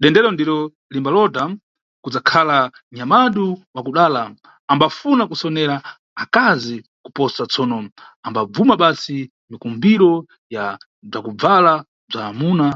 Dendero, ndiro limbalota kudzakhala nyamadu wa kudala, ambafuna kusonera akazi kuposa, tsono ambabvuma basi mikumbiro ya bzwakubvala bzwa amuna.